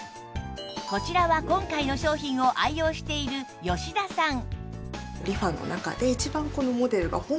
こちらは今回の商品を愛用している吉田さん